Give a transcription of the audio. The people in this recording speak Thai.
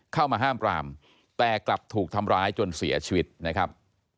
เข้ามาห้ามปรามแต่กลับถูกทำร้ายจนเสียชีวิตนะครับ